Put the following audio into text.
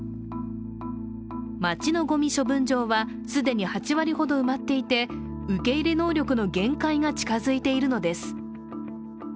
町のごみ処分場は既に８割ほど埋まっていて受け入れ能力の限界が近づいているのです。